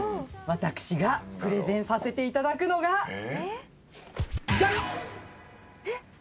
私がプレゼンさせていただくのがじゃんっ。